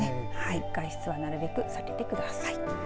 外出はなるべく避けてください。